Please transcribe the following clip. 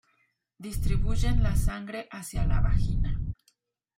Distribuyen la sangre hacia la vagina.